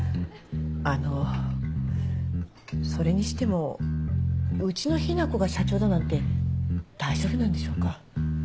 あのそれにしてもうちの雛子が社長だなんて大丈夫なんでしょうか。